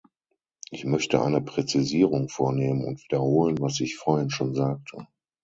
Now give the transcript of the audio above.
Ich möchte eine Präzisierung vornehmen und wiederholen, was ich vorhin schon sagte.